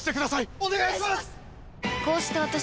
お願いします！